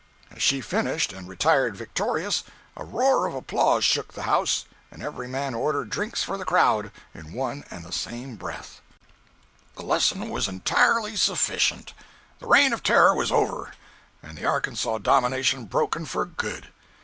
As she finished and retired victorious, a roar of applause shook the house, and every man ordered "drinks for the crowd" in one and the same breath. 225.jpg (102K) The lesson was entirely sufficient. The reign of terror was over, and the Arkansas domination broken for good.